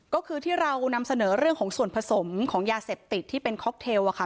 ก็คือที่เรานำเสนอเรื่องของส่วนผสมของยาเสพติดที่เป็นค็อกเทลค่ะ